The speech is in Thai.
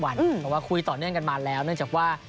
เพราะว่าคุยต่อเนื่องกันมาแล้วเนื่องจากว่า